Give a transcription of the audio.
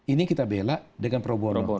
ini kita belak dengan pro bono